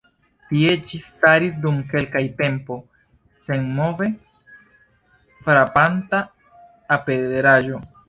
Tie ĝi staris dum kelka tempo, senmove; frapanta aperaĵo.